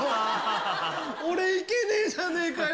俺、行けねえじゃねえかよ。